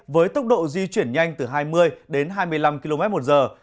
với tốc độ di chuyển nhanh từ hai mươi đến hai mươi năm km một giờ